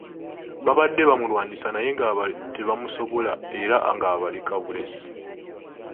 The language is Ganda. Baabadde bamulwanyisa naye nga tebamusobola era nga abaleka bulesi.